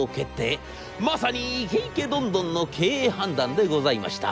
まさにイケイケドンドンの経営判断でございました。